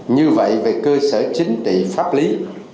như vậy về cơ sở chính trị pháp lý